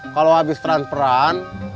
kalau habis transperan